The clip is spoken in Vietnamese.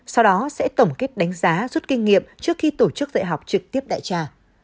sau đó sẽ tổng kết đánh giá rút kinh nghiệm trước khi tổ chức dạy học trực tiếp đại trà